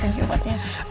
thank you umatnya